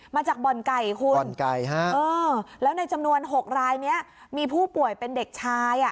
มาจากบ่อนไก่คุณแล้วในจำนวน๖รายนี้มีผู้ป่วยเป็นเด็กชาย